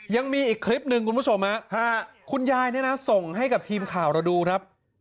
ยังมีอีกคลิปหนึ่งคุณผู้ชมฮะคุณยายเนี่ยนะส่งให้กับทีมข่าวเราดูครับ